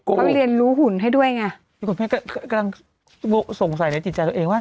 ก่อนเขาเรียนรู้หุ่นให้ด้วยไงกำลังโฆสงสัยในจิตใจตัวเองว่า